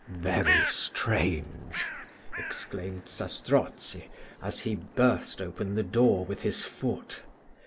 "Very strange!" exclaimed Zastrozzi, as he burst open the door with his foot.